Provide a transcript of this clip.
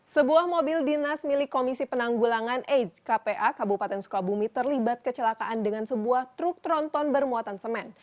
sebuah mobil dinas milik komisi penanggulangan aids kpa kabupaten sukabumi terlibat kecelakaan dengan sebuah truk tronton bermuatan semen